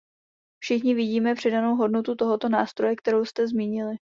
Všichni vidíme přidanou hodnotu tohoto nástroje, kterou jste zmínili.